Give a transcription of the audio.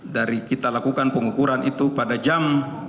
dari kita lakukan pengukuran itu pada jam